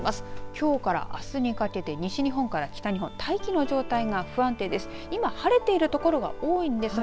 きょうからあすにかけて西日本から北日本大気の状態が不安定です。